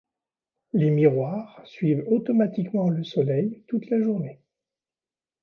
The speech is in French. Les miroirs suivent automatiquement le soleil toute la journée.